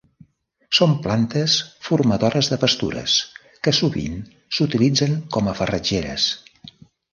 Són plantes formadores de pastures que sovint s'utilitzen com a farratgeres.